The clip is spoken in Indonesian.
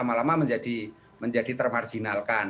lama lama menjadi termarjinalkan